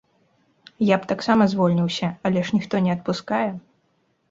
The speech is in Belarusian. Я б таксама звольніўся, але ж ніхто не адпускае.